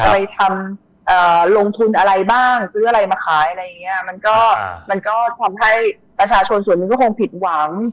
ไปทำลงทุนอะไรบ้างซื้ออะไรมาขายอะไรอย่างเงี้ยมันก็มันก็ทำให้ประชาชนส่วนหนึ่งก็คงผิดหวัง